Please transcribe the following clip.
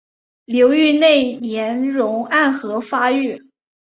流域内岩溶暗河发育。